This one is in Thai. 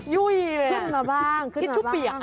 ยุ้ยเลยอ่ะขึ้นมาบ้างขึ้นมาบ้างคุณชุดเปียะ